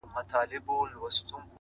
پرمختګ د کوچنیو بدلونونو ټولګه ده،